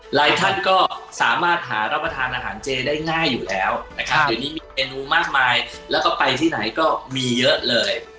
หลายท่านก็สามารถหารับประทานอาหารเจได้ง่ายอยู่แล้วนะครับเดี๋ยวนี้มีเมนูมากมายแล้วก็ไปที่ไหนก็มีเยอะเลย